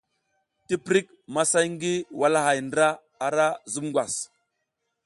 Tiptik, masay ngi walahay ndra ara zub ngwas.